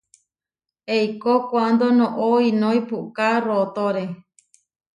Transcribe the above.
Eikó kuándo noʼó iʼnói puʼká rootóre.